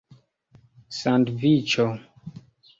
sandviĉo